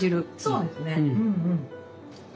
そうですね。